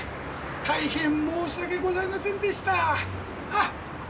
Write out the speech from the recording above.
大変申し訳ございませんでした！